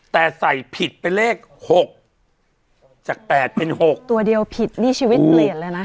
แต่ใส่ผิดไปเลขหกจากแปดเป็นหกตัวเดียวผิดนี่ชีวิตเปลี่ยนเลยนะ